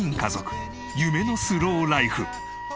夢のスローライフ。